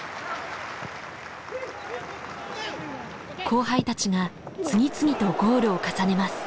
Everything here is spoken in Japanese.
後輩たちが次々とゴールを重ねます。